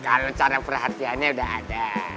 kalau cara perhatiannya sudah ada